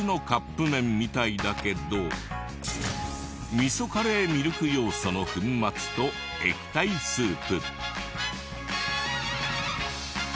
味噌カレーミルク要素の粉末と液体スープ。